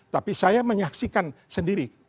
tapi saya menyaksikan sendiri